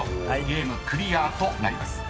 ゲームクリアとなります］